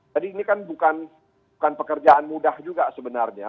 jadi ini kan bukan pekerjaan mudah juga sebenarnya